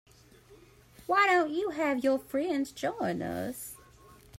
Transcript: Why don't you have your friends join us?